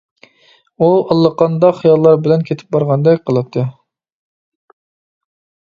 ئۇ ئاللىقانداق خىياللار بىلەن كېتىپ بارغاندەك قىلاتتى.